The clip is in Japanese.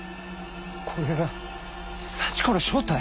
これが幸子の正体